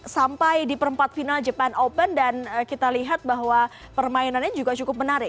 sampai di perempat final jepang open dan kita lihat bahwa permainannya juga cukup menarik